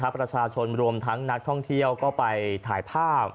ประชาชนรวมทั้งนักท่องเที่ยวก็ไปถ่ายภาพ